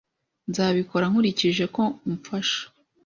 Nzabikora nkurikije ko umfasha.